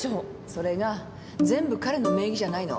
それが全部彼の名義じゃないの。